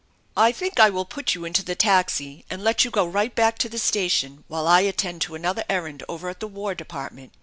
" I think I will put you into the taxi and let you go right back to the station while I attend *o another errand over at the War Department.